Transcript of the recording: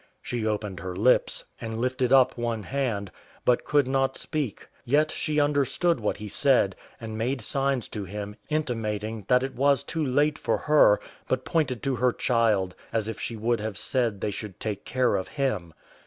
She opened her lips, and lifted up one hand, but could not speak: yet she understood what he said, and made signs to him, intimating, that it was too late for her, but pointed to her child, as if she would have said they should take care of him.